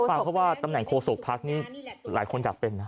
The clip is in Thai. แต่ก็น่าฟังว่าตำแหน่งโคสกพักนี้หลายคนทำเป็นนะ